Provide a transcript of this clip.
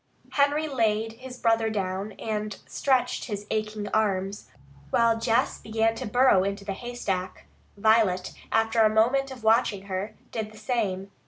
Henry laid his brother down and stretched his aching arms, while Jess began to burrow into the haystack. Violet, after a moment of watching her, did the same.